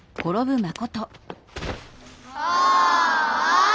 ああ！